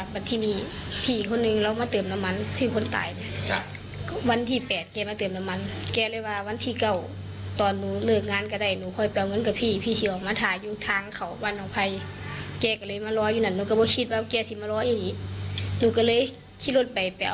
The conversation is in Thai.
บัดที่นี่หนูก็ไม่คิดว่าเป็นแก่หนูก็เลยคิดเข้าไปหนูก็เลยไปจอด